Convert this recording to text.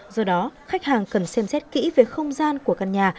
do đó khách hàng cần xem xét kỹ về không gian của căn nhà